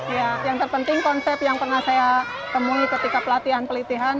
ya yang terpenting konsep yang pernah saya temui ketika pelatihan pelatihan